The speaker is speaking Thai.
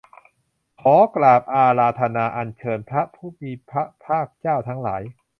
ขอกราบอาราธนาอัญเชิญพระผู้มีพระภาคเจ้าทั้งหลาย